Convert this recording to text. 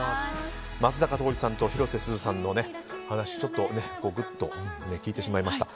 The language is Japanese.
松坂桃李さんと広瀬すずさんの話聞いてしまいました。